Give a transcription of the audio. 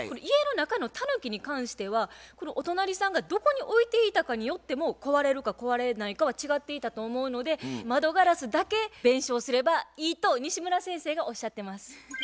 家の中のたぬきに関してはお隣さんがどこに置いていたかによっても壊れるか壊れないかは違っていたと思うので窓ガラスだけ弁償すればいいと西村先生がおっしゃってます。